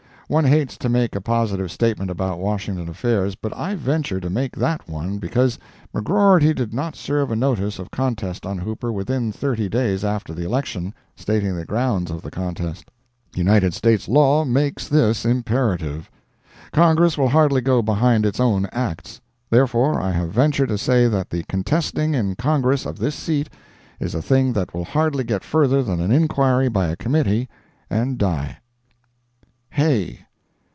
One hates to make a positive statement about Washington affairs, but I venture to make that one because: McGrorty did not serve a notice of contest on Hooper within 30 days after the election, stating the grounds of the contest. United States law makes this imperative. Congress will hardly go behind its own acts. Therefore, I have ventured to say that the contesting in Congress of this seat is a thing that will hardly get further than an inquiry by a committee and die. HAY.